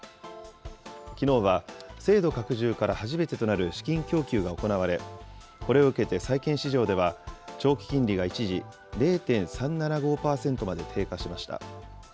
きのうは制度拡充から初めてとなる資金供給が行われ、これを受けて債券市場では、長期金利が一時、０．３７５％まで低下しました。